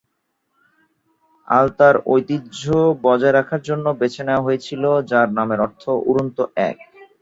আলতা’র ঐতিহ্য বজায় রাখার জন্য বেছে নেওয়া হয়েছিল, যার নামের অর্থ "উড়ন্ত এক"।